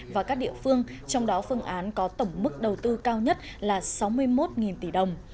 và các địa phương trong đó phương án có tổng mức đầu tư cao nhất là sáu mươi một tỷ đồng